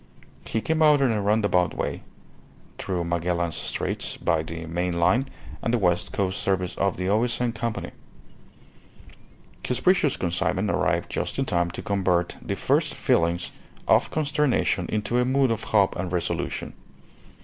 He came out in a roundabout way, through Magellan's Straits by the main line and the West Coast Service of the O.S.N. Company. His precious consignment arrived just in time to convert the first feelings of consternation into a mood of hope and resolution.